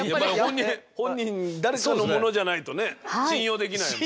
本人誰かのモノじゃないとね信用できないもん。